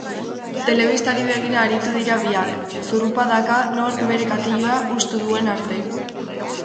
Telebistari begira aritu dira biak, zurrupadaka nork bere katilua hustu duen arte.